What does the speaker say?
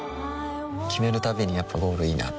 決めるたびにやっぱゴールいいなってふん